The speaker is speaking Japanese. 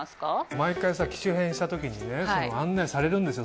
毎回機種変した時にね案内されるんですよ